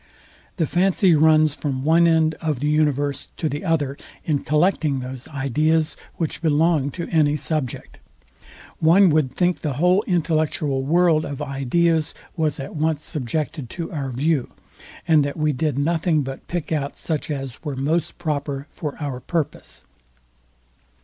The fancy runs from one end of the universe to the other in collecting those ideas, which belong to any subject. One would think the whole intellectual world of ideas was at once subjected to our view, and that we did nothing but pick out such as were most proper for our purpose.